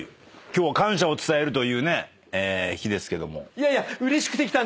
いやいや。